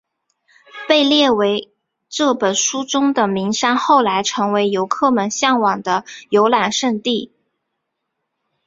被列入这本书中的名山后来成为游客们向往的游览胜地。